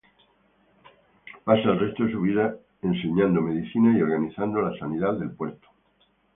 Pasó el resto de su vida enseñando medicina, y organizó la sanidad del puerto.